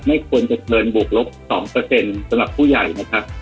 ไม่ควรจะเกินบวกลบ๒สำหรับผู้ใหญ่นะครับ